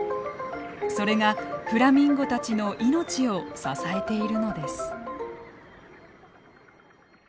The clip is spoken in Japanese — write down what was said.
それがフラミンゴたちの命を支えているのです。